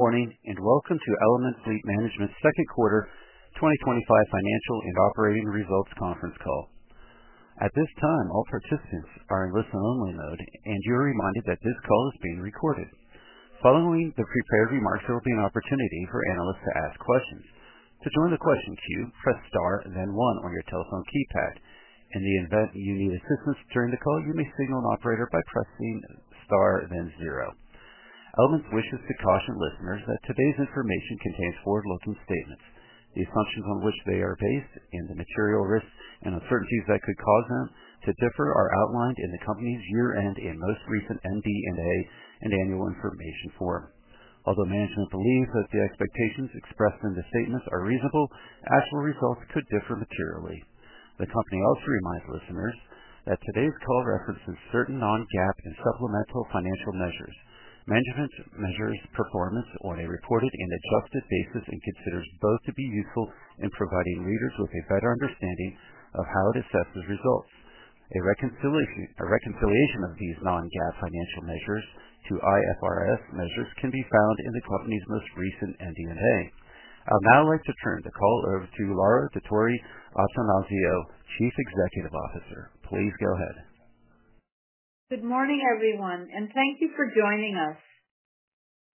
Morning and welcome to Element Fleet Management's second quarter 2025 financial and operating results conference call. At this time, all participants are in listen-only mode, and you are reminded that this call is being recorded. Following the prepared remarks will be an opportunity for analysts to ask questions. To join the question queue, press star, then one on your telephone keypad. In the event you need assistance during the call, you may signal an operator by pressing star, then zero. Element wishes to caution listeners that today's information contains forward-looking statements. The assumptions on which they are based and the material risks and uncertainties that could cause them to differ are outlined in the company's year-end and most recent MD&A and annual information form. Although management believes that the expectations expressed in the statements are reasonable, actual results could differ materially. The company also reminds listeners that today's call references certain non-GAAP and supplemental financial measures. Management measures performance on a reported and exhaustive basis and considers both to be useful in providing readers with a better understanding of how to assess the results. A reconciliation of these non-GAAP financial measures to IFRS measures can be found in the company's most recent MD&A. I'd now like to turn the call over to Laura Dottori-Attanasio, Chief Executive Officer. Please go ahead. Good morning, everyone, and thank you for joining us.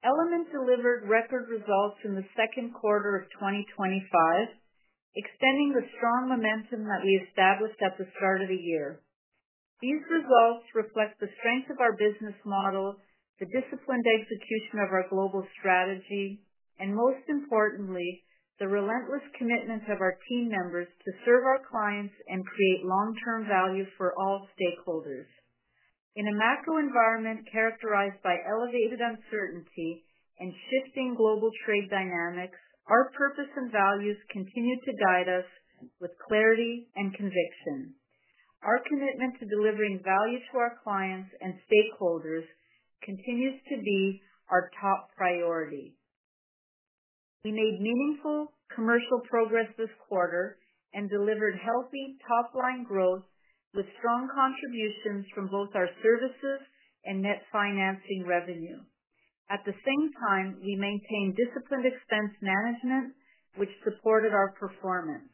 Element delivered record results in the second quarter of 2025, extending the strong momentum that we established at the start of the year. These results reflect the strength of our business model, the disciplined execution of our global strategy, and most importantly, the relentless commitment of our team members to serve our clients and create long-term value for all stakeholders. In a macro environment characterized by elevated uncertainty and shifting global trade dynamics, our purpose and values continue to guide us with clarity and conviction. Our commitment to delivering value to our clients and stakeholders continues to be our top priority. We made meaningful commercial progress this quarter and delivered healthy top-line growth with strong contributions from both our services and net financing revenue. At the same time, we maintained disciplined expense management, which supported our performance.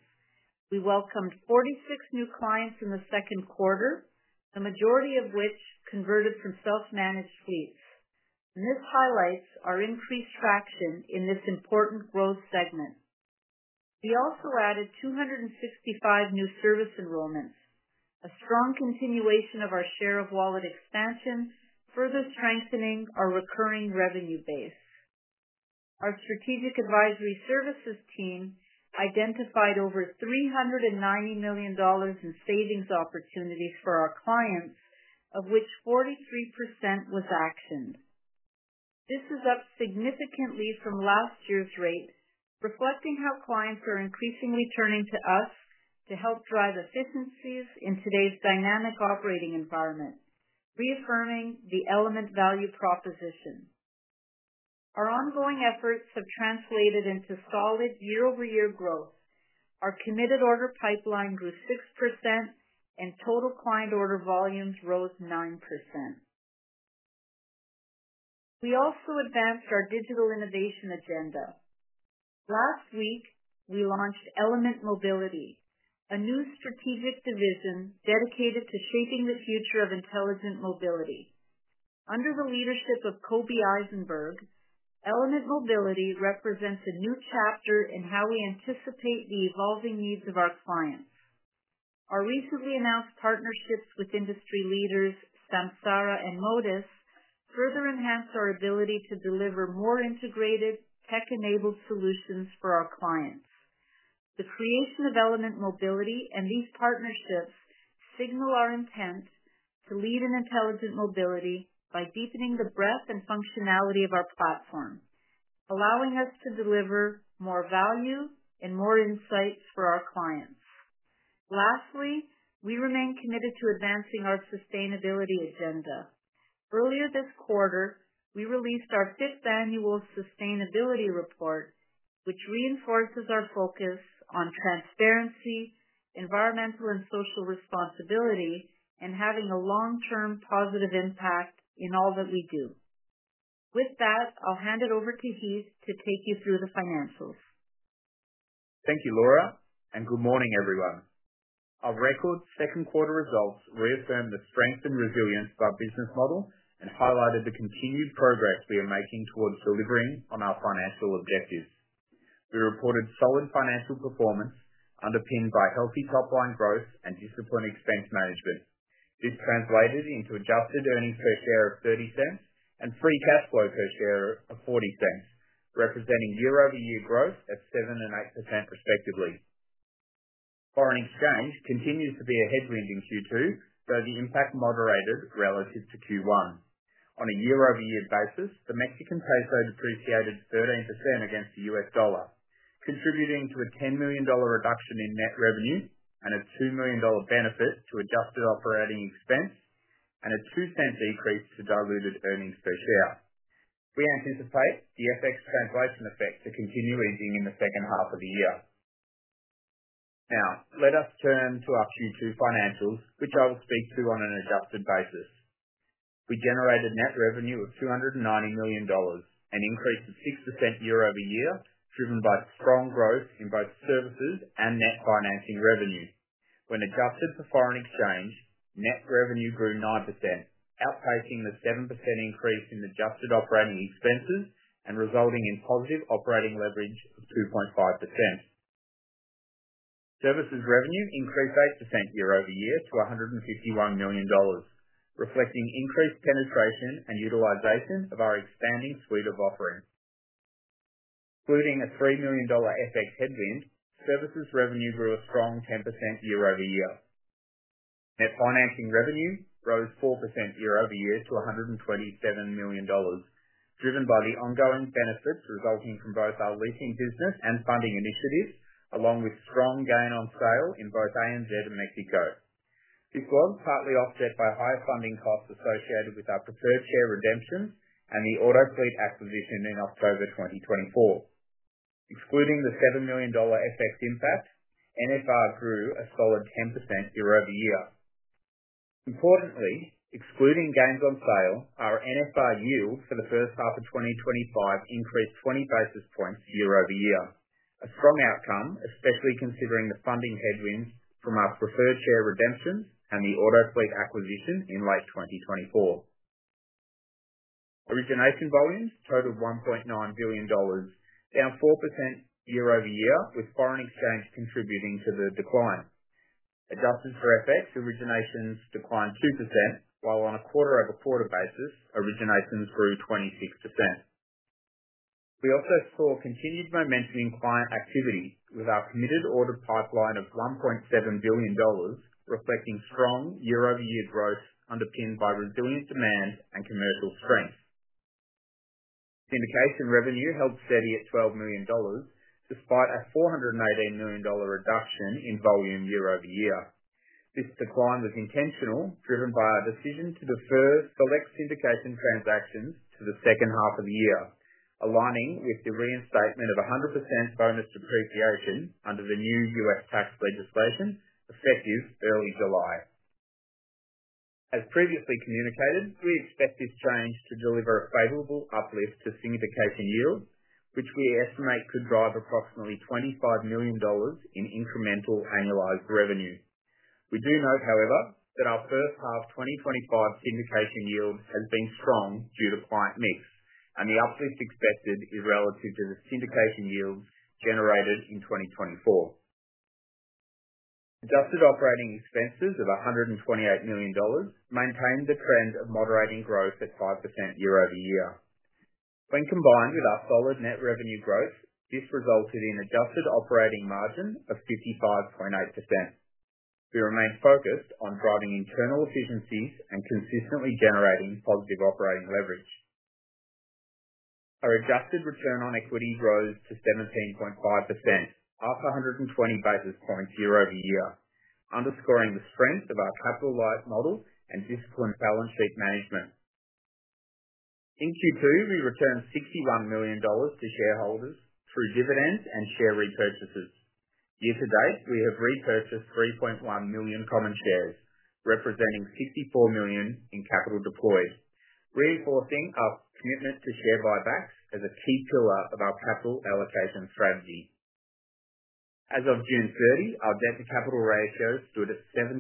We welcomed 46 new clients in the second quarter, the majority of which converted from self-managed fees. This highlights our increased traction in this important growth segment. We also added 265 new service enrollments, a strong continuation of our share of wallet expansion, further strengthening our recurring revenue base. Our Strategic Advisory Services team identified over $390 million in savings opportunities for our clients, of which 43% was actioned. This is up significantly from last year's rate, reflecting how clients are increasingly turning to us to help drive efficiencies in today's dynamic operating environment, reaffirming the Element value proposition. Our ongoing efforts have translated into solid year-over-year growth. Our committed order pipeline grew 6%, and total client order volumes rose 9%. We also advanced our digital innovation agenda. Last week, we launched Element Mobility, a new strategic division dedicated to shaping the future of intelligent mobility. Under the leadership of Kobi Eisenberg, Element Mobility represents a new chapter in how we anticipate the evolving needs of our clients. Our recently announced partnerships with industry leaders, Samsara and Motus, further enhanced our ability to deliver more integrated tech-enabled solutions for our clients. The creation of Element Mobility and these partnerships signal our intent to lead in intelligent mobility by deepening the breadth and functionality of our platform, allowing us to deliver more value and more insights for our clients. Lastly, we remain committed to advancing our sustainability agenda. Earlier this quarter, we released our fifth annual sustainability report, which reinforces our focus on transparency, environmental and social responsibility, and having a long-term positive impact in all that we do. With that, I'll hand it over to Heath to take you through the financials. Thank you, Laura, and good morning, everyone. Our record second-quarter results reaffirm the strength and resilience of our business model and highlighted the continued progress we are making towards delivering on our financial objectives. We reported solid financial performance underpinned by healthy top-line growth and disciplined expense management. This translated into adjusted earnings per share of $0.30 and free cash flow per share of $0.40, representing year-over-year growth of 7% and 8% respectively. Foreign exchange continues to be a headwind in Q2, though the impact moderated relative to Q1. On a year-over-year basis, the Mexican peso depreciated 13% against the U.S. dollar, contributing to a $10 million reduction in net revenue and a $2 million benefit to adjusted operating expense and a $0.02 decrease to diluted earnings per share. We anticipate the effects of translation and effects to continue easing in the second half of the year. Now, let us turn to our Q2 financials, which I will speak to on an adjusted basis. We generated net revenue of $290 million, an increase of 6% year-over-year, driven by strong growth in both services and net financing revenue. When adjusted for foreign exchange, net revenue grew 9%, outpacing the 7% increase in adjusted operating expenses and resulting in positive operating leverage of 2.5%. Services revenue increased 8% year-over-year to $151 million, reflecting increased penetration and utilization of our expanding suite of offerings. Including a $3 million FX headwind, services revenue grew a strong 10% year-over-year. Net financing revenue rose 4% year-over-year to $127 million, driven by the ongoing benefits resulting from both our leasing business and funding initiatives, along with strong gain on sale in both ANZ and Mexico. This was partly offset by high funding costs associated with our preferred share redemptions and the auto fleet acquisition in October 2024. Excluding the $7 million FX impact, NFR grew a solid 10% year-over-year. Importantly, excluding gains on sale, our NFR yield for the first half of 2025 increased 20 basis points year-over-year, a strong outcome, especially considering the funding headwinds from our preferred share redemptions and the auto fleet acquisition in late 2024. Origination volumes totaled $1.9 billion, down 4% year-over-year, with foreign exchange contributing to the decline. Adjustments for FH originations declined 2%, while on a quarter-over-quarter basis, originations grew 26%. We also saw continued momentum in client activity with our committed order pipeline of $1.7 billion, reflecting strong year-over-year growth underpinned by resilient demand and commercial strength. Syndication revenue held steady at $12 million, despite a $418 million reduction in volume year-over-year. This decline was intentional, driven by our decision to defer select syndication transactions to the second half of the year, aligning with the reinstatement of a 100% bonus depreciation under the new U.S. tax legislation effective early July. As previously communicated, we expect this change to deliver a favorable uplift to syndication yield, which we estimate could drive approximately $25 million in incremental annualized revenue. We do note, however, that our first half 2025 syndication yield has been strong due to client mix, and the uplift expected is relative to the syndication yield generated in 2024. Adjusted operating expenses of $128 million maintained the trend of moderating growth at 5% year-over-year. When combined with our solid net revenue growth, this resulted in an adjusted operating margin of 55.8%. We remain focused on driving internal efficiencies and consistently generating positive operating leverage. Our adjusted return on equity rose to 17.5%, up 120 basis points year-over-year, underscoring the strength of our capital-light model and disciplined balance sheet management. In Q2, we returned $61 million to shareholders through dividends and share repurchases. Year to date, we have repurchased 3.1 million common shares, representing $54 million in capital deployed, reinforcing our commitment to share buybacks as a key pillar of our capital allocation strategy. As of June 30th, our debt-to-capital ratio stood at 76.1%,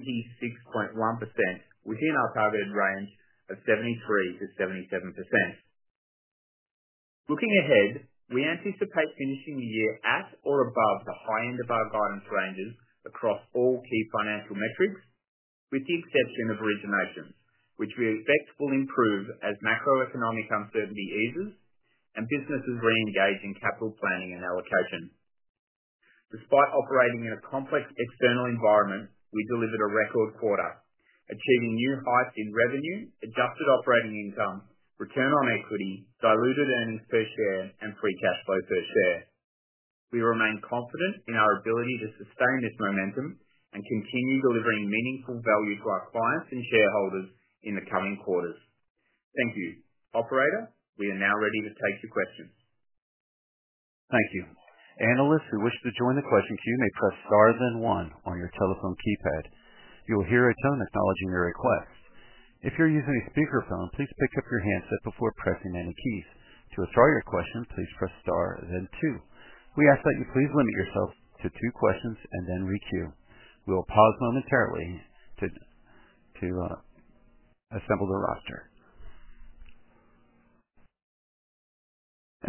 within our targeted range of 73%-77%. Looking ahead, we anticipate finishing the year at or above the high end of our guidance ranges across all key financial metrics, with the exception of originations, which we expect will improve as macroeconomic uncertainty eases and businesses reengage in capital planning and allocation. Despite operating in a complex external environment, we delivered a record quarter, achieving new heights in revenue, adjusted operating income, return on equity, diluted earnings per share, and free cash flow per share. We remain confident in our ability to sustain this momentum and continue delivering meaningful value to our clients and shareholders in the coming quarters. Thank you. Operator, we are now ready to take your questions. Thank you. Analysts who wish to join the question queue may press star then one on your telephone keypad. You will hear a tone acknowledging your request. If you're using a speakerphone, please pick up your handset before pressing any keys. To withdraw your question, please press star then two. We ask that you please limit yourself to two questions and then requeue. We will pause momentarily to assemble the roster.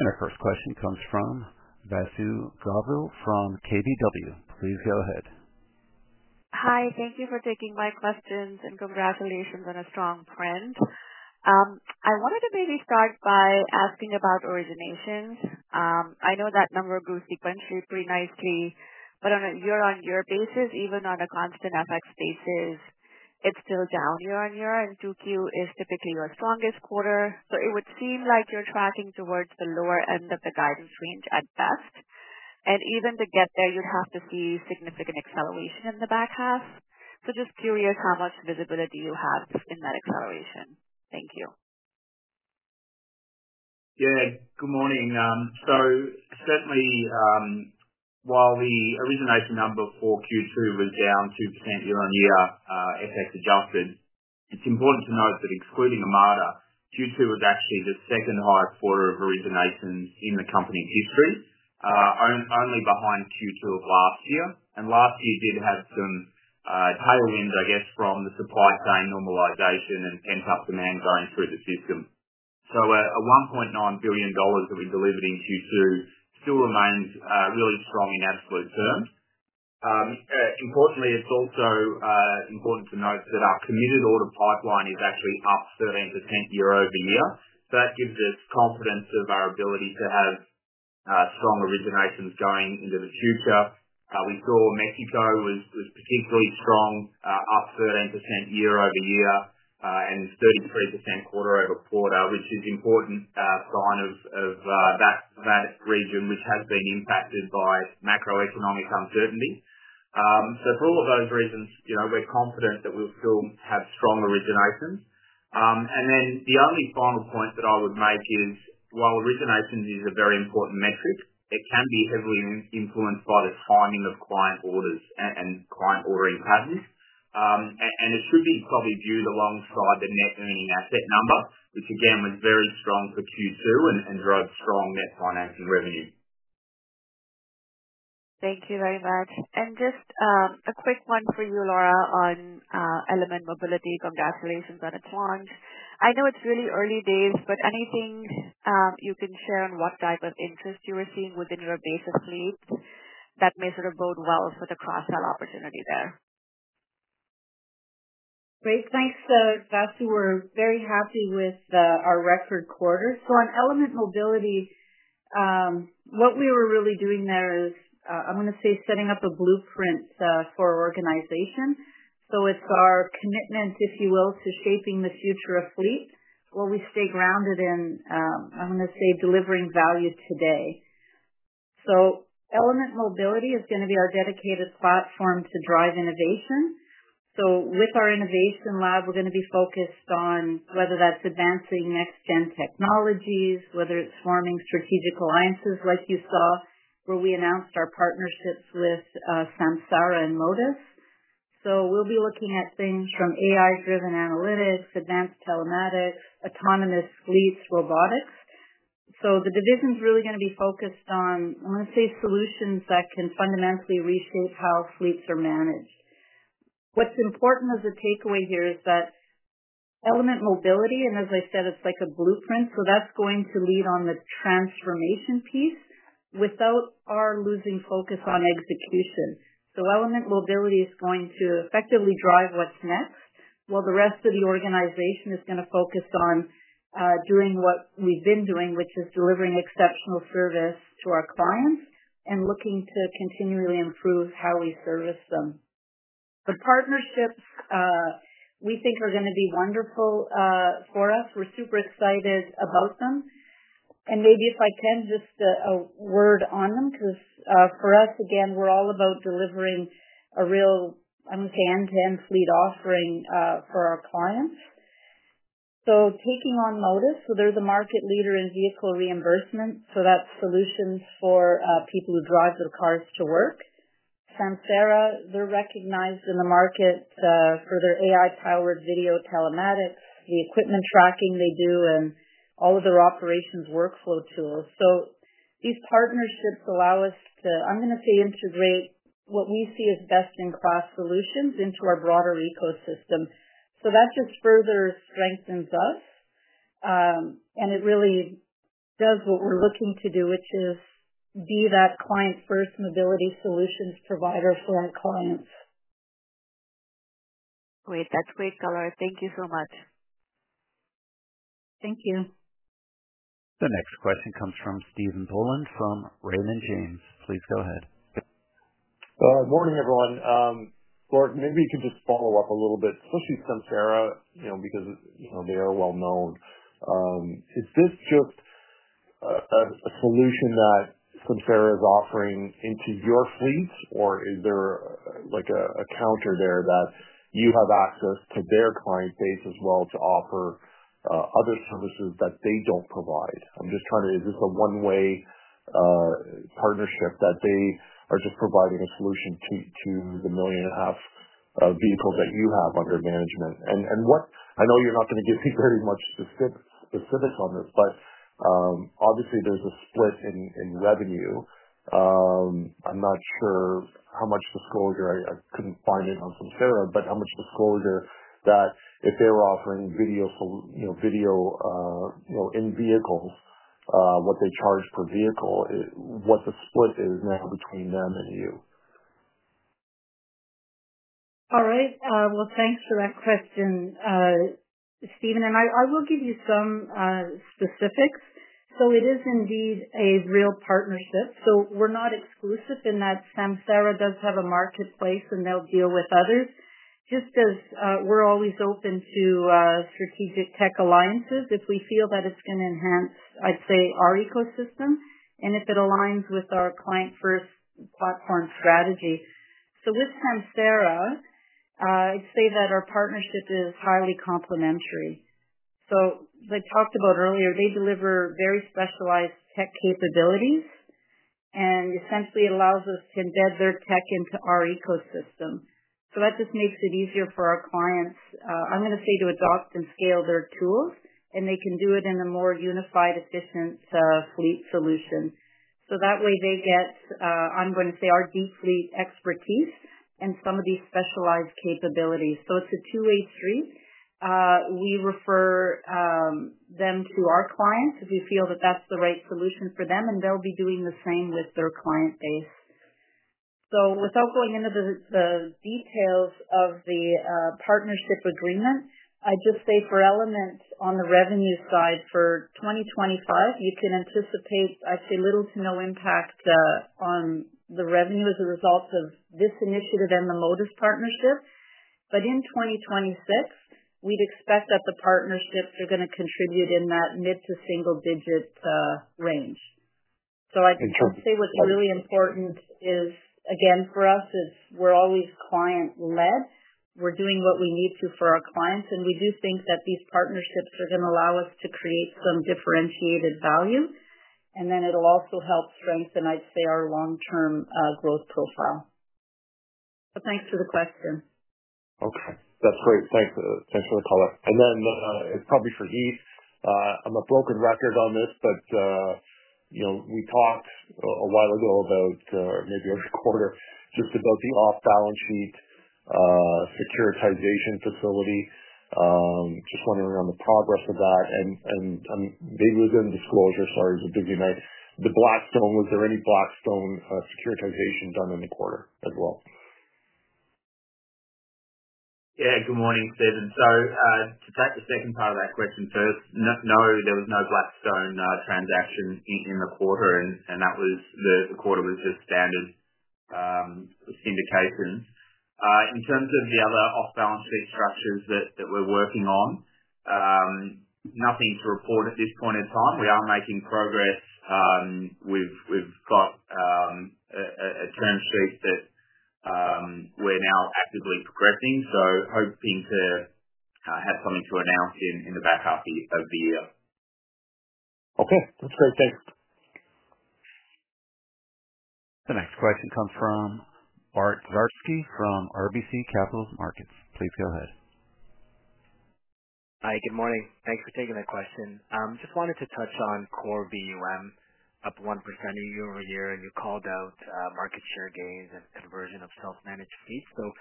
Our first question comes from Vasu Govil from KBW. Please go ahead. Hi. Thank you for taking my questions and congratulations on a strong trend. I wanted to maybe start by asking about origination. I know that number of groups differentiate pretty nicely, but on a year-on-year basis, even on a constant FX basis, it's still down year on year. Q2 is typically your strongest quarter. It would seem like you're tracking towards the lower end of the guidance range at best, and even to get there, you'd have to see significant acceleration in the back half. Just curious how much visibility you have in that acceleration. Thank you. Yeah. Good morning. Certainly, while the origination number for Q2 was down 2% year-over-year, FX-adjusted, it's important to note that excluding Armada, Q2 was actually the second highest quarter of originations in the company's history, only behind Q2 of last year. Last year did have some tailwinds, I guess, from the supply chain normalization and pent-up demand going through the system. A $1.9 billion that we delivered in Q2 still remains really strong in absolute terms. Importantly, it's also important to note that our committed order pipeline is actually up 13% year-over-year. That gives us confidence of our ability to have strong originations going into the future. We saw Mexico was particularly strong, up 13% year-over-year, and 33% quarter-over-quarter, which is an important sign of that region, which has been impacted by macroeconomic uncertainty. For all of those reasons, you know we're confident that we'll still have strong originations. The only final point that I would make is, while originations is a very important metric, it can be heavily influenced by the timing of client orders and client ordering patterns. It should be probably viewed alongside the net earning asset number, which again was very strong for Q2 and drove strong net financing revenue. Thank you very much. Just a quick one for you, Laura, on Element Mobility. Congratulations on its launch. I know it's really early days, but anything you can share on what type of interest you were seeing within your basic fleet that may sort of bode well for the cross-sell opportunity there? Great. Thanks, Vasu. We're very happy with our record quarters. On Element Mobility, what we were really doing there is, I'm going to say, setting up a blueprint for our organization. It's our commitment, if you will, to shaping the future of fleet where we stay grounded in, I'm going to say, delivering value today. Element Mobility is going to be our dedicated platform to drive innovation. With our innovation lab, we're going to be focused on whether that's advancing next-gen technologies or forming strategic alliances like you saw, where we announced our partnerships with Samsara and Motus. We'll be looking at things from AI-driven analytics, advanced telematics, autonomous fleets, robotics. The division is really going to be focused on, I'm going to say, solutions that can fundamentally reshape how fleets are managed. What's important as a takeaway here is that Element Mobility, and as I said, it's like a blueprint. That's going to lead on the transformation piece without our losing focus on execution. Element Mobility is going to effectively drive what's next, while the rest of the organization is going to focus on doing what we've been doing, which is delivering exceptional service to our clients and looking to continually improve how we service them. The partnerships, we think, are going to be wonderful for us. We're super excited about them. Maybe if I can just add a word on them, because for us, again, we're all about delivering a real, I'm going to say, end-to-end fleet offering for our clients. Taking on Motus, they're the market leader in vehicle reimbursement. That's solutions for people who drive their cars to work. Samsara, they're recognized in the market for their AI-powered video telematics, the equipment tracking they do, and all of their operations workflow tools. These partnerships allow us to, I'm going to say, integrate what we see as best-in-class solutions into our broader ecosystem. That just further strengthens us. It really does what we're looking to do, which is be that client-first mobility solutions provider for our clients. Great. That's great color. Thank you so much. Thank you. The next question comes from Stephen Boland from Raymond James. Please go ahead. Morning, everyone. Laura, maybe you can just follow up a little bit. Speaking of Samsara, you know, because you know they are well-known, is this just a solution that Samsara is offering into your fleet, or is there like a counter there that you have access to their client base as well to offer other services that they don't provide? I'm just trying to, is this a one-way partnership that they are just providing a solution to the million and a half vehicles that you have under management? What I know you're not going to give me very much specifics on this, but obviously, there's a split in revenue. I'm not sure how much disclosure, I couldn't find it on Samsara, but how much disclosure that if they were offering video, you know, video in vehicles, what they charge per vehicle, what the split is now between them and you. All right. Thanks for that question, Stephen. I will give you some specifics. It is indeed a real partnership. We're not exclusive in that Samsara does have a marketplace and they'll deal with others, just as we're always open to strategic tech alliances if we feel that it's going to enhance our ecosystem and if it aligns with our client-first platform strategy. With Samsara, I'd say that our partnership is highly complementary. Like I talked about earlier, they deliver very specialized tech capabilities and essentially allow us to embed their tech into our ecosystem. That just makes it easier for our clients to adopt and scale their tools, and they can do it in a more unified, efficient fleet solution. That way, they get our deep fleet expertise and some of these specialized capabilities. It's a two-way street. We refer them to our clients if we feel that that's the right solution for them, and they'll be doing the same with their client base. Without going into the details of the partnership agreement, I'd just say for Element on the revenue side for 2025, you can anticipate little to no impact on the revenue as a result of this initiative and the Motus partnership. In 2026, we'd expect that the partnerships are going to contribute in that mid to single-digit range. What's really important is, again, for us, we're always client-led. We're doing what we need to for our clients. We do think that these partnerships are going to allow us to create some differentiated value. It will also help strengthen our long-term growth profile. Thanks for the question. Okay. That's great. Thanks for the callback. This is probably for Heath. I'm a broken record on this, but you know we talked a while ago about maybe a quarter just about the off-balance sheet securitization facility. I'm just wondering on the progress of that. Are we going to disclose as far as the busyness? The Blackstone, was there any Blackstone securitization done in the quarter as well? Good morning, Stephen. To take the second part of that question first, no, there was no Blackstone transaction in the quarter. The quarter was the standard syndications. In terms of the other off-balance sheet structures that we're working on, nothing to report at this point in time. We are making progress. We've got a transferee that we're now actively progressing, hoping to have something to announce in the back half of the year. Okay, that's great. Thanks. The next question comes from Bart Dziarski from RBC Capital Markets. Please go ahead. Hi. Good morning. Thanks for taking that question. I just wanted to touch on core VUM up 1% year-over-year. You called out market share gains and conversion of self-managed fees. I'm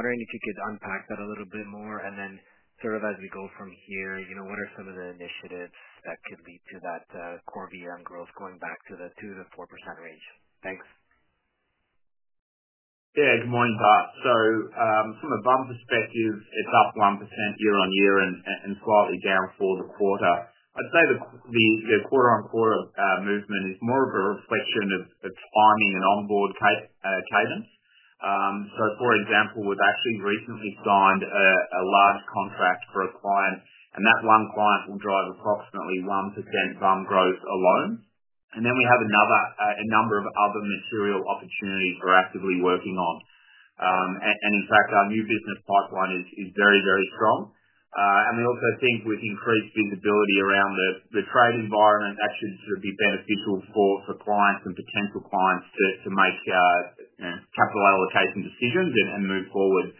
wondering if you could unpack that a little bit more. As we go from here, you know what are some of the initiatives that could lead to that core VUM growth going back to the 2%-4% range? Thanks. Yeah. Good morning, Bart. From a bond perspective, it's up 1% year on year and slightly down for the quarter. I'd say the quarter-on-quarter movement is more of a reflection of its bonding and onboard cadence. For example, we've actually recently signed a large contract for a client, and that one client will drive approximately 1% bond growth alone. We have a number of other material opportunities we're actively working on. In fact, our new business pipeline is very, very strong. We also think with increased visibility around the trade environment, that should be beneficial for clients and potential clients to make capital allocation decisions and move forward.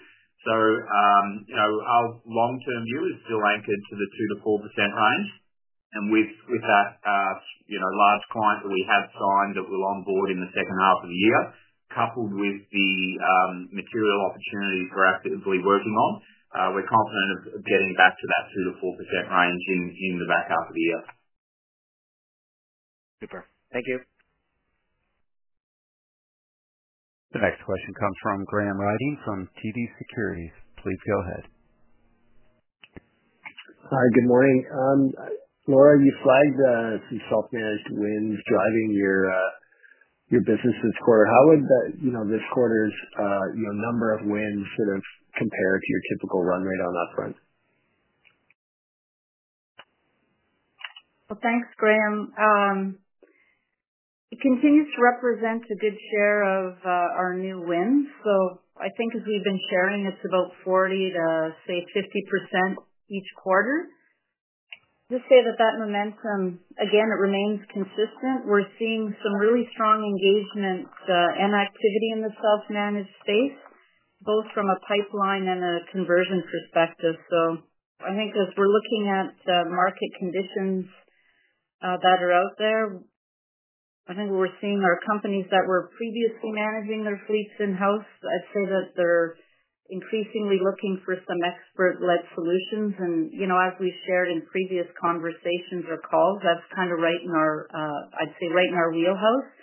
Our long-term view is still anchored to the 2%-4% range. With that large client that we have signed that we'll onboard in the second half of the year, coupled with the material opportunity we're actively working on, we're confident of getting back to that 2%-4% range in the back half of the year. Super. Thank you. The next question comes from Graham Ryding from TD Securities. Please go ahead. Hi. Good morning. Laura, you flagged a few softness wins driving your business this quarter. How would this quarter's number of wins sort of compare to your typical run rate on that front? Thanks, Graham. It continues to represent a good share of our new wins. I think as we've been sharing, it's about 40%-50% each quarter. That momentum, again, remains consistent. We're seeing some really strong engagement and activity in the self-managed space, both from a pipeline and a conversion perspective. I think as we're looking at the market conditions that are out there, what we're seeing are companies that were previously managing their fleets in-house. I'd say that they're increasingly looking for some expert-led solutions. You know, as we've shared in previous conversations or calls, that's kind of right in our, I'd say, right in our wheelhouse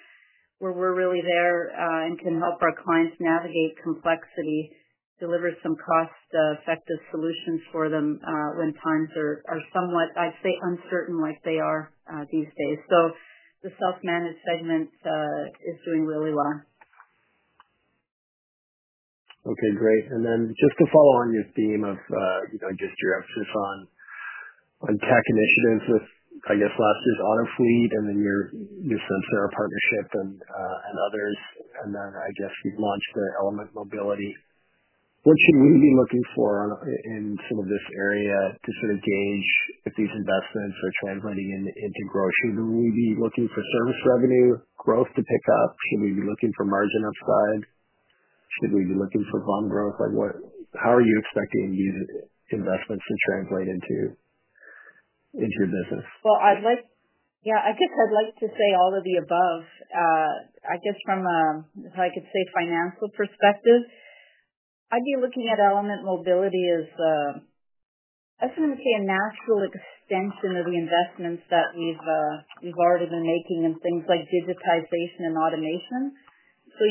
where we're really there and can help our clients navigate complexity, deliver some cost-effective solutions for them when times are somewhat, I'd say, uncertain like they are these days. The self-managed segment is doing really well. Okay. Great. Just to follow on your theme of, you know, I guess you're actually on tech initiatives with, I guess, Motus auto fleet and then your Samsara partnership and others. I guess you've launched the Element Mobility. What should we be looking for in some of this area to sort of gain with these investments or translating into growth? Should we be looking for service revenue growth to pick up? Should we be looking for margin upside? Should we be looking for bond growth? Like what? How are you expecting these investments to translate into your business? I guess I'd like to say all of the above. From a financial perspective, I'd be looking at Element Mobility as essentially a natural extension of the investments that we've already been making in things like digitization and automation.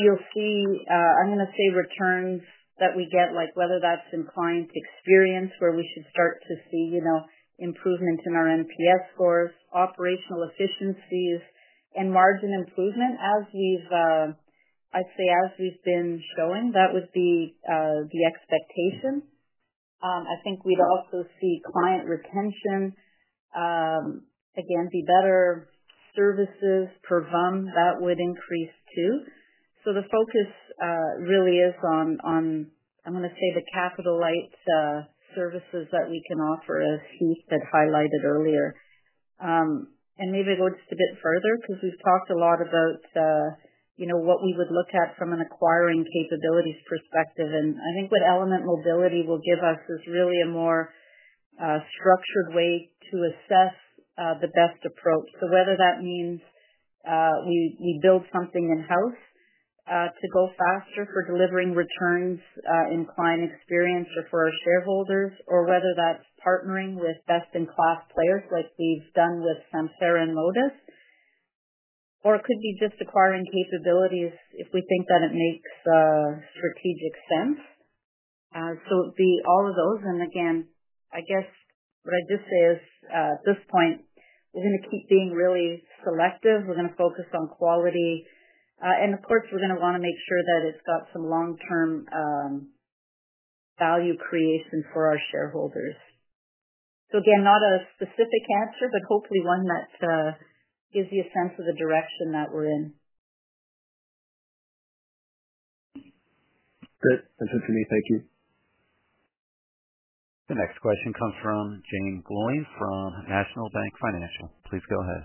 You'll see returns that we get, whether that's in client experience where we should start to see improvements in our NPS scores, operational efficiencies, and margin improvement as we've been going. That would be the expectation. I think we'd also see client retention be better. Services per VUM would increase too. The focus really is on the capital-light services that we can offer as Heath had highlighted earlier. Maybe it goes a bit further because we've talked a lot about what we would look at from an acquiring capabilities perspective. I think what Element Mobility will give us is really a more structured way to assess the best approach. Whether that means we build something in-house to go faster for delivering returns in client experience or for our shareholders, or whether that's partnering with best-in-class players like we've done with Samsara and Motus, or it could be just acquiring capabilities if we think that it makes strategic sense. It would be all of those. I guess what I'd just say is at this point, we're going to keep being really selective. We're going to focus on quality. Of course, we're going to want to make sure that it's got some long-term value creation for our shareholders. Not a specific answer, but hopefully one that gives you a sense of the direction that we're in. Good. That's good for me. Thank you. The next question comes from Jaeme Gloyn from National Bank Financial. Please go ahead.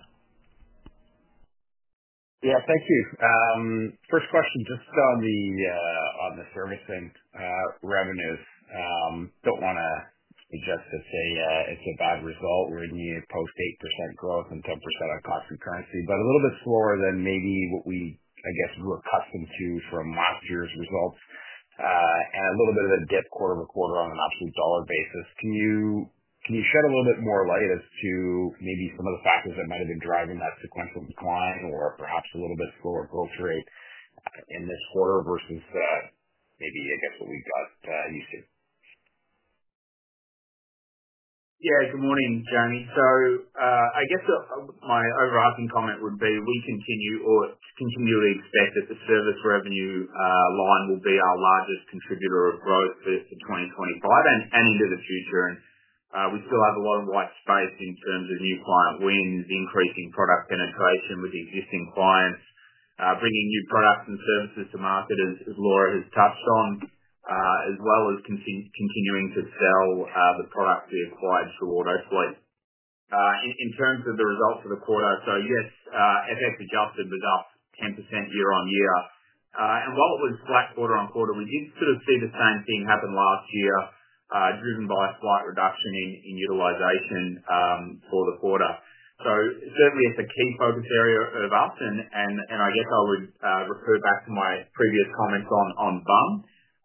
Yeah. Thank you. First question, just on the servicing revenues. I don't want to address this. It's a bad result. We're in the post-8% growth and 10% of cost concurrency, but a little bit slower than maybe what we, I guess, were accustomed to from last year's results. A little bit of a dip quarter to quarter on an absolute dollar basis. Can you shed a little bit more light as to maybe some of the factors that might have been driving that sequential decline or perhaps a little bit slower growth rate in this quarter versus maybe, I guess, what we've got used to? Yeah. Good morning, Jaeme. I guess my overarching comment would be we continue or continually expect that the services revenue line will be our largest contributor of growth for 2025 and into the future. We still have a lot of white space in terms of new client wins, increasing product penetration with existing clients, bringing new products and services to market, as Laura has touched on, as well as continuing to sell the product we acquired through Autofleet. In terms of the results of the quarter, yes, it has adjusted the growth 10% year on year. While it was flat quarter on quarter, we did sort of see the same thing happen last year, driven by a slight reduction in utilization for the quarter. It is certainly a key focus area for us. I would refer back to my previous comments on bond.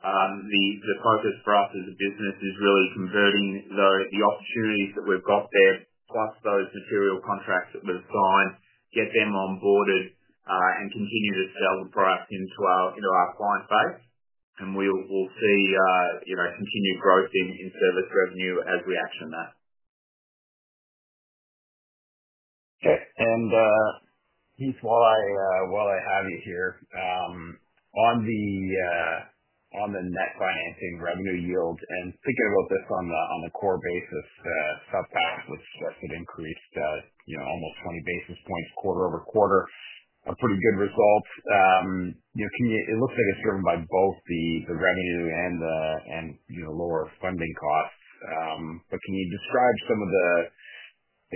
The focus for us as a business is really converting the opportunities that we've got there, plus those material contracts that we've signed, get them onboarded and continue to sell the products into our client base. We'll see continued growth in services revenue as we action that. Okay. Heath, while I have you here, on the net financing revenue yield, and thinking about this on the core basis subpack, which has increased almost 20 basis points quarter over quarter, a pretty good result. It looks like it's driven by both the revenue and lower funding costs. Can you describe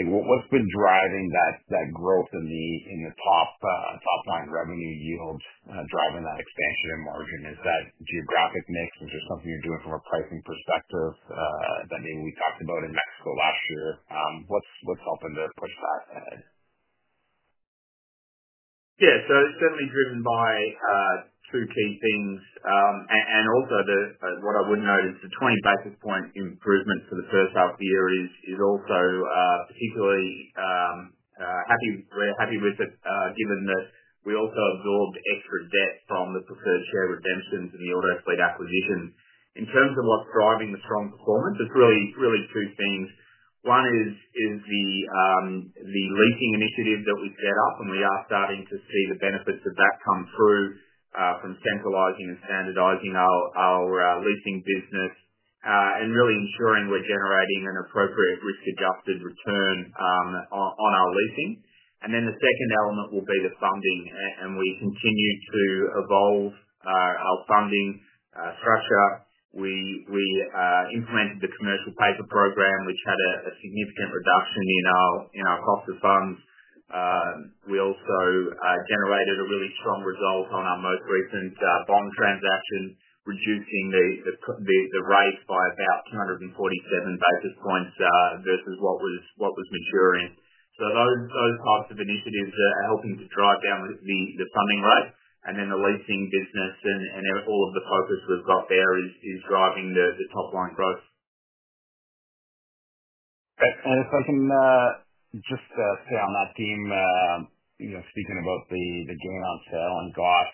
what's been driving that growth in the top line revenue yield, driving that expansion in margin? Is that geographic mix? Is there something you're doing from a pricing perspective that maybe we talked about in Mexico last year? What's helping to push that ahead? Yeah. It's certainly driven by two key things. What I would note is the 20 basis point improvement for the first half of the year is also particularly happy with, given that we also absorbed extra debt from the preferred share redemptions in the Autofleet acquisition. In terms of what's driving the strong performance, it's really two things. One is the leasing initiative that we've set up, and we are starting to see the benefits of that come through from centralizing and standardizing our leasing business, and really ensuring we're generating an appropriate risk-adjusted return on our leasing. The second element will be the funding. We continue to evolve our funding threshold. We implemented the commercial paper program, which had a significant reduction in our cost of funds. We also generated a really strong result on our most recent bond transaction, reducing the raise by about 247 basis points versus what was maturing. Those parts of initiatives are helping to drive down the funding rate. The leasing business and all of the focus we've got there is driving the top line growth. If I can, just say on that theme, speaking about the gain on sale on gas,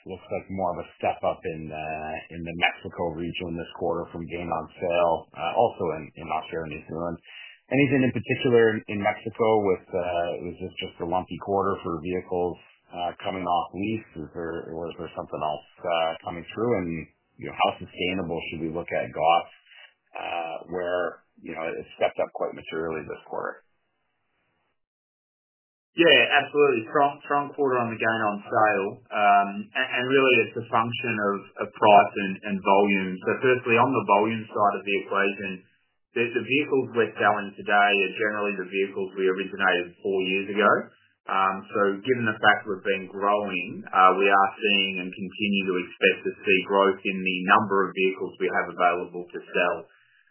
it looks like more of a step up in the Mexico region this quarter from gain on sale, also in Australia and New Zealand. Anything in particular in Mexico, was it just a lumpy quarter for vehicles coming off lease? Is there or is there something else coming through? How sustainable should we look at gas, where it stepped up quite materially this quarter? Yeah, absolutely. Strong quarter on the gain on sale, and really, it's a function of price and volume. Firstly, on the volume side of the equation, the vehicles we're selling today are generally the vehicles we originated four years ago. Given the fact we've been growing, we are seeing and continue to expect to see growth in the number of vehicles we have available to sell.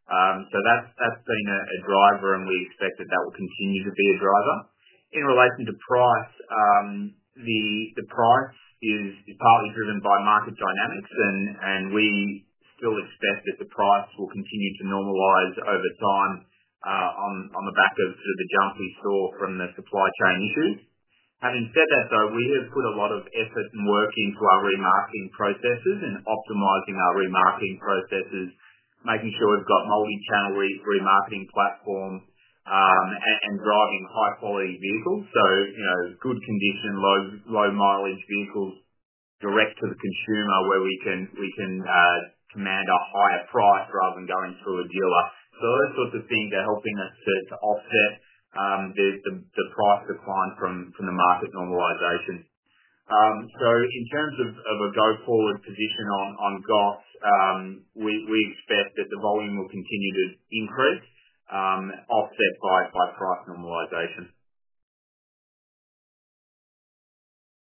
That's been a driver, and we expect that will continue to be a driver. In relation to price, the price is partly driven by market dynamics. We still expect that the price will continue to normalize over time, on the back of sort of the jumpy stall from the supply chain issues. Having said that, though, we have put a lot of effort and work into our remarketing processes and optimizing our remarketing processes, making sure we've got a multi-channel remarketing platform, and driving high-quality vehicles. Good condition, low mileage vehicles direct to the consumer where we can, we can command a higher price rather than going through a dealer. Those sorts of things are helping us to offset the price decline from the market normalization. In terms of a go-forward position on gain on sale, we expect that the volume will continue to increase, offset by price normalization.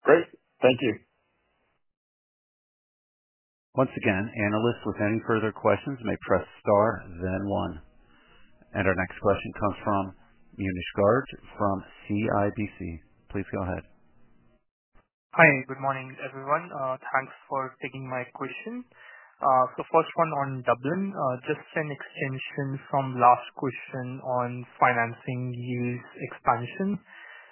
Great. Thank you. Once again, analysts, if any further questions, may press star, then one. Our next question comes from Munish Garg from CIBC. Please go ahead. Hi. Good morning, everyone. Thanks for taking my question. The first one on Dublin, just an extension from last question on financing news expansion.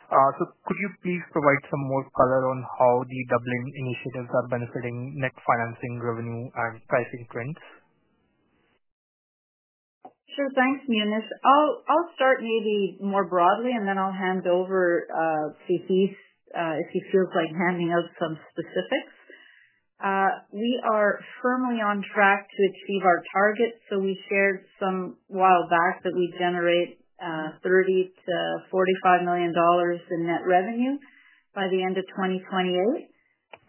Could you please provide some more color on how the Dublin initiatives are benefiting net financing revenue and pricing trends? Sure. Thanks, Munish. I'll start maybe more broadly, and then I'll hand over, to Heath, if he feels like handing out some specifics. We are firmly on track to achieve our targets. We shared some while back that we generate $30 million-$45 million in net revenue by the end of 2028,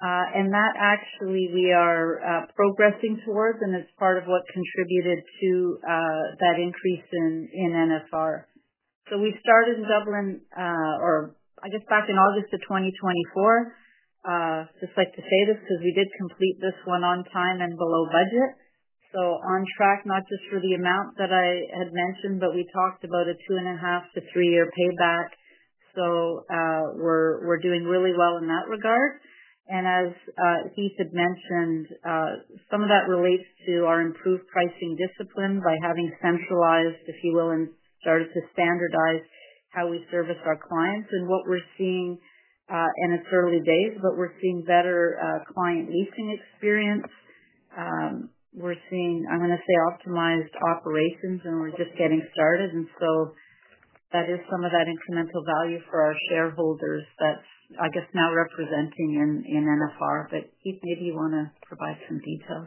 and that actually we are progressing towards, and it's part of what contributed to that increase in NFR. We've started in Dublin, or I guess back in August of 2024. I just like to say this because we did complete this one on time and below budget. On track, not just for the amount that I had mentioned, but we talked about a two and a half to three-year payback. We're doing really well in that regard. As Heath had mentioned, some of that relates to our improved pricing discipline by having centralized, if you will, and started to standardize how we service our clients. What we're seeing, and it's early days, but we're seeing better client leasing experience. We're seeing, I'm going to say, optimized operations, and we're just getting started. That is some of that incremental value for our shareholders that's, I guess, now representing in NFR. Heath, maybe you want to provide some details.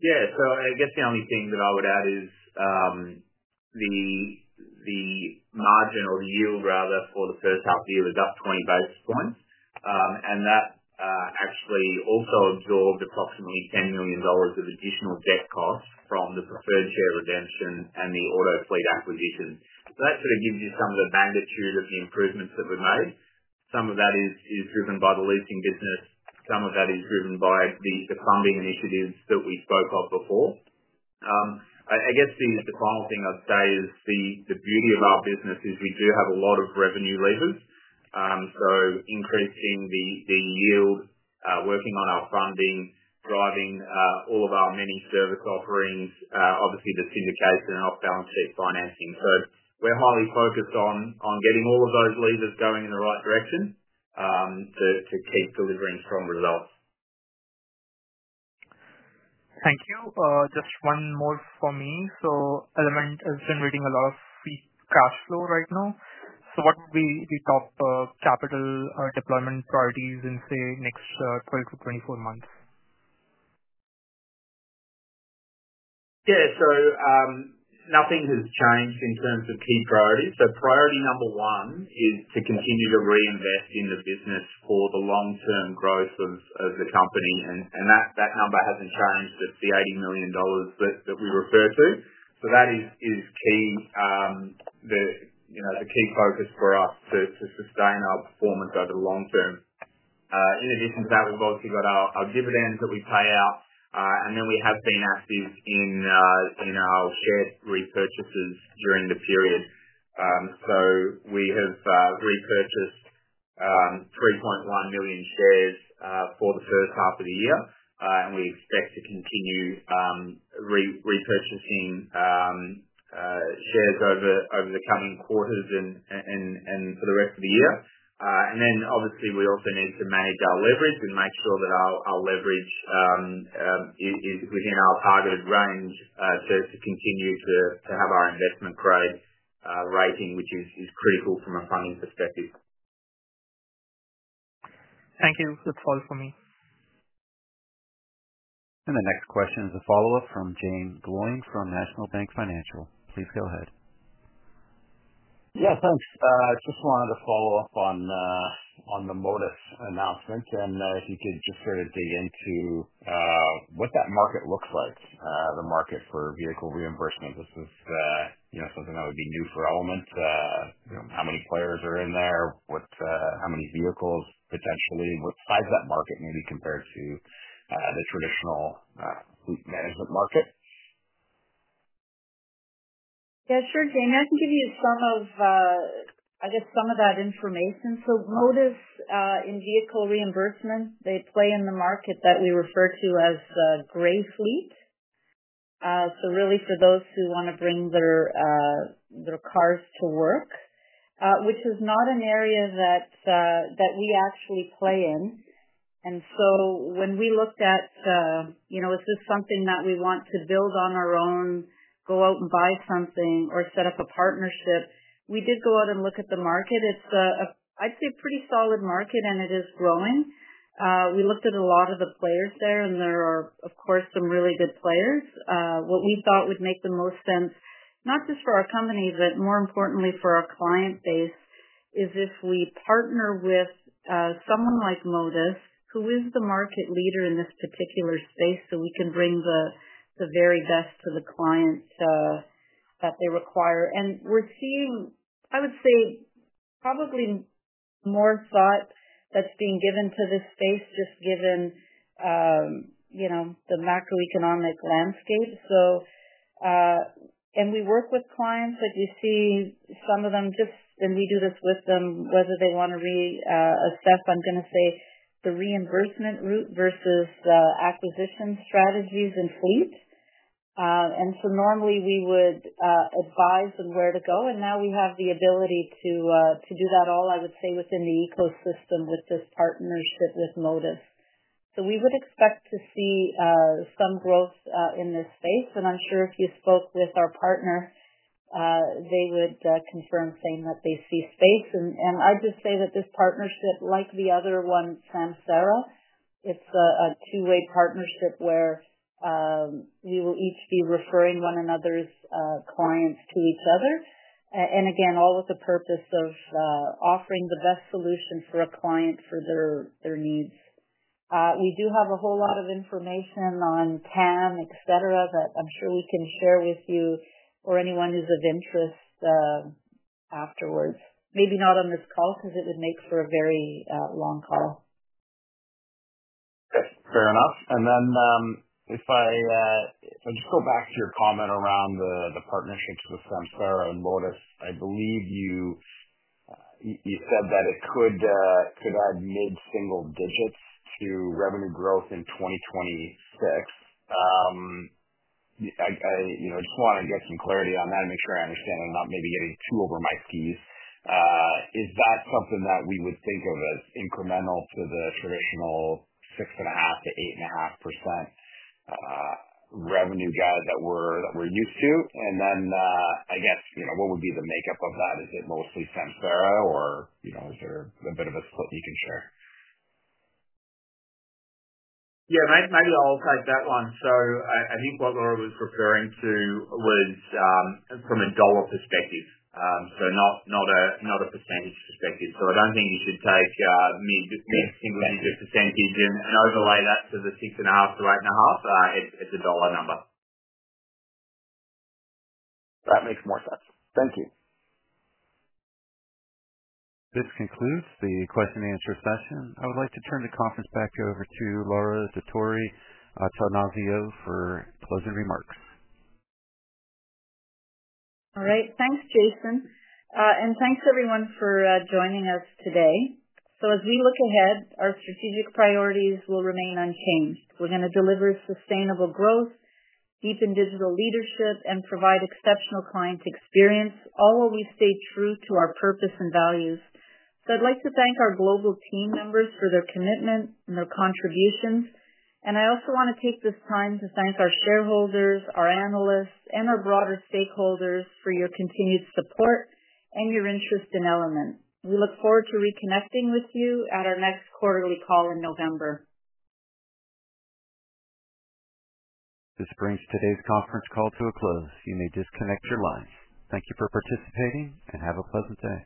Yeah. I guess the only thing that I would add is, the margin or the yield, rather, for the first half of the year is up 20 basis points, and that actually also absorbed approximately $10 million of additional debt costs from the preferred share redemption and the auto fleet acquisition. That sort of gives you some of the magnitude of the improvements that we've made. Some of that is driven by the leasing business. Some of that is driven by the funding initiatives that we spoke of before. I guess the final thing I'd say is the beauty of our business is we do have a lot of revenue levers, so increasing the yield, working on our funding, driving all of our many service offerings, obviously the syndication and off-balance sheet financing. We're highly focused on getting all of those levers going in the right direction to keep delivering strong results. Thank you. Just one more for me. Element is generating a lot of free cash flow right now. What would be the top capital deployment priorities in, say, the next 12-24 months? Yeah. Nothing has changed in terms of key priorities. Priority number one is to continue to reinvest in the business for the long-term growth of the company. That number hasn't changed. It's the $80 million that we refer to. That is key, the key focus for us to sustain our performance over the long term. In addition to that, we've obviously got our dividends that we pay out, and then we have been active in our share repurchases during the period. We have repurchased 3.1 million shares for the first half of the year, and we expect to continue repurchasing shares over the coming quarters and for the rest of the year. Obviously, we also need to make our leverage and make sure that our leverage is within our targeted range to continue to have our investment grade rating, which is critical from a funding perspective. Thank you. That's all for me. The next question is a follow-up from Jaeme Gloyn from National Bank Financial. Please go ahead. Yeah. Thanks. I just wanted to follow up on the Motus announcement. I don't know if you could just sort of dig into what that market looks like, the market for vehicle reimbursement. This is something that would be new for Element. You know, how many players are in there? How many vehicles potentially? What size that market maybe compares to the traditional fleet management market? Yeah. Sure, Jaeme. I can give you some of, I guess, some of that information. Motus, in vehicle reimbursement, plays in the market that we refer to as the gray fleet. For those who want to bring their cars to work, which is not an area that we actually play in. When we looked at, you know, is this something that we want to build on our own, go out and buy something, or set up a partnership, we did go out and look at the market. It's a pretty solid market, and it is growing. We looked at a lot of the players there, and there are, of course, some really good players. What we thought would make the most sense, not just for our company, but more importantly for our client base, is if we partner with someone like Motus, who is the market leader in this particular space, so we can bring the very best to the clients that they require. We're seeing probably more thought that's being given to this space just given the macroeconomic landscape. We work with clients, like we see some of them, and we do this with them, whether they want to reassess, I'm going to say, the reimbursement route versus the acquisition strategies and fleet. Normally, we would advise on where to go. Now we have the ability to do that all, I would say, within the ecosystem with this partnership with Motus. We would expect to see some growth in this space. I'm sure if you spoke with our partner, they would confirm, saying that they see space. I'd just say that this partnership, like the other one, Samsara, it's a two-way partnership where we will each be referring one another's clients to each other. Again, all with the purpose of offering the best solution for a client for their needs. We do have a whole lot of information on TAM, etc., that I'm sure we can share with you or anyone who's of interest afterwards. Maybe not on this call because it would make for a very long call. Fair enough. If I just go back to your comment around the partnerships with Samsara and Motus, I believe you said that it could add mid-single digits to revenue growth in 2026. I'd quote on and get some clarity on that and make sure I understand and not maybe getting too over my feet. Is that something that we would think of as incremental to the traditional 6.5%-8.5% revenue guide that we're used to? I guess, what would be the makeup of that? Is it mostly Samsara, or is there a bit of a split you can share? Yeah. I think what Laura was referring to was, from a dollar perspective, not a percentage perspective. I don't think you could take mid-single digit percentage and overlay that to the $6.5-$8.5 as a dollar number. That makes more sense. Thank you. This concludes the question and answer session. I would like to turn the conference back over to Laura Dottori-Attanasio for closing remarks. All right. Thanks, Jason. Thanks, everyone, for joining us today. As we look ahead, our strategic priorities will remain unchanged. We're going to deliver sustainable growth, deepen digital leadership, and provide exceptional client experience, all while we stay true to our purpose and values. I'd like to thank our global team members for their commitment and their contributions. I also want to take this time to thank our shareholders, our analysts, and our broader stakeholders for your continued support and your interest in Element. We look forward to reconnecting with you at our next quarterly call in November. This brings today's conference call to a close. You may disconnect your lines. Thank you for participating and have a pleasant day.